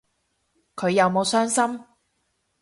佢有冇傷心